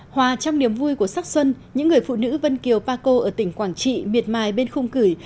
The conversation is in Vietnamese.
hòa trong niềm vui của sắc xuân những người phụ nữ vân kiều paco ở tỉnh quảng trị miệt mài bên khung cửi